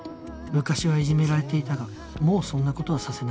昔はいじめられていたがもうそんな事はさせない